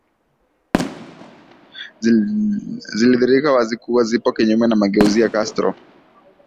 zilidhihirika wazi kuwa zipo kinyume na mageuzi ya Castro